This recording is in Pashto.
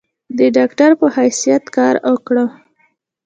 د ډاکټر پۀ حېث کار اوکړو ۔